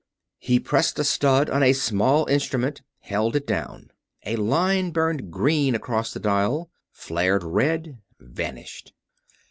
He pressed a stud on a small instrument; held it down. A line burned green across the dial flared red vanished.